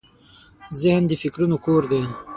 ذهن د فکرونو کور دی.